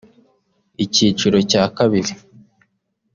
Icyiciro cya Kabiri